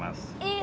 え？